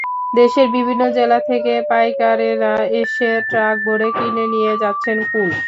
দেশের বিভিন্ন জেলা থেকে পাইকারেরা এসে ট্রাক ভরে কিনে নিয়ে যাচ্ছেন কুল।